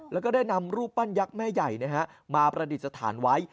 แล้วก็ได้นำรูปปั้นยักษ์แม่ใหญ่มาประดิษฐานไว้